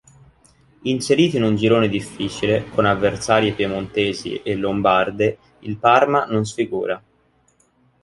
Inserito in un girone difficile con avversarie piemontesi e lombarde il Parma non sfigura..